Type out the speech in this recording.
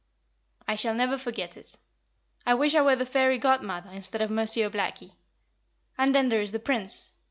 "I shall never forget it. I wish I were the Fairy Godmother instead of Monsieur Blackie. And then there is the Prince.